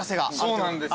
そうなんですよ。